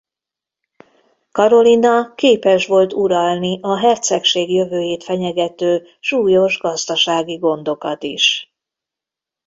Karolina képes volt uralni a hercegség jövőjét fenyegető súlyos gazdasági gondokat is.